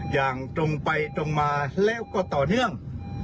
อย่างตรงไปตรงมาแล้วก็ต่อเนื่อง